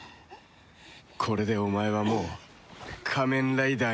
これでお前はもう仮面ライダーになれない。